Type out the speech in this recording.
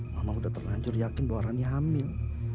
mama udah terlanjur yakin bahwa rani hamil